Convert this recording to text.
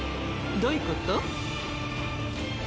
どういうこと？